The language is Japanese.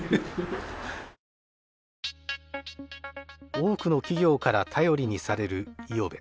多くの企業から頼りにされる五百部。